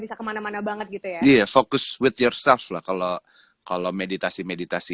bisa kemana mana banget gitu ya fokus with year self lah kalau kalau meditasi meditasi